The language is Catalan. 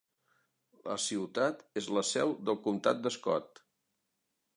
La ciutat és la seu del comtat de Scott.